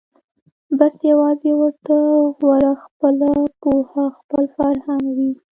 بس یوازي ورته غوره خپله پوهه خپل فرهنګ وي